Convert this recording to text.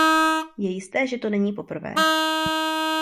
Je jisté, že to není poprvé.